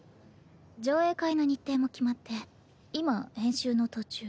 上映会の日程も決まって今編集の途中。